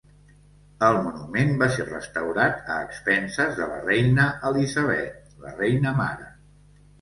El monument va ser restaurat a expenses de la Reina Elisabet, la Reina Mare.